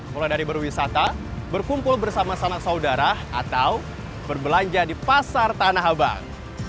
mulai dari berwisata berkumpul bersama sanak saudara atau berbelanja di pasar tanah abang